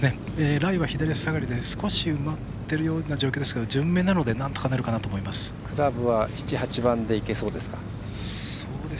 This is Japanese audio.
ライは左足下がりで少し埋まっているような状況ですが順目なのでなんとかなるかなと思います。